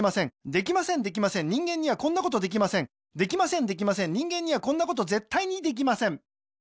できませんできません人間にはこんなことぜったいにできません